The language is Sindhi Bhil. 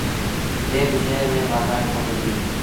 ڪݩهݩ با شئي ميݩ وآڌيو ڪوندو ٿئي۔